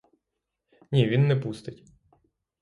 Ні, він не пустить.